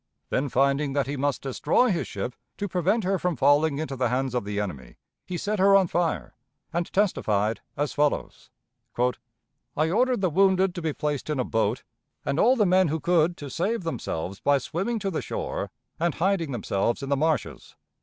Then finding that he must destroy his ship to prevent her from falling into the hands of the enemy, he set her on fire, and testified as follows: "I ordered the wounded to be placed in a boat, and all the men who could to save themselves by swimming to the shore and hiding themselves in the marshes.